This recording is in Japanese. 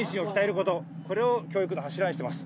これを教育の柱にしてます。